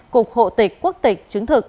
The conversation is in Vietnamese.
cục hộ tịch quốc tịch chứng thực